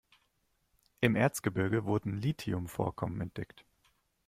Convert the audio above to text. Im Erzgebirge wurden Lithium-Vorkommen entdeckt.